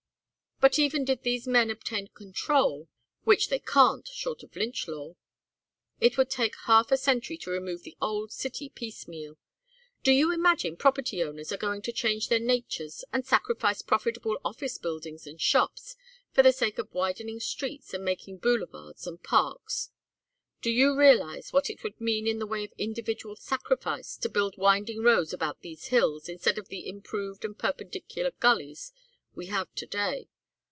But even did these men obtain control which they can't short of lynch law it would take half a century to remove the old city piecemeal. Do you imagine property owners are going to change their natures and sacrifice profitable office buildings and shops for the sake of widening streets and making boulevards and parks? Do you realize what it would mean in the way of individual sacrifice to build winding roads about these hills instead of the improved and perpendicular gullies we have to day?